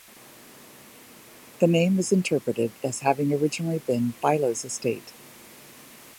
The name is interpreted as having originally been "Bilo's Estate".